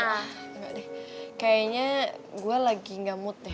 ah engga deh kayaknya gue lagi ga mood deh